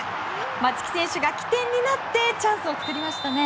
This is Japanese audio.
松木選手が起点になってチャンスを作りましたね。